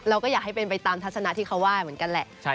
เราก็อยากให้เป็นไปตามทัศนะที่เขาไหว้เหมือนกันแหละ